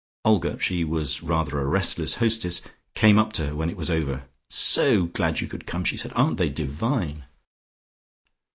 Olga (she was rather a restless hostess) came up to her when it was over. "So glad you could come," she said. "Aren't they divine?"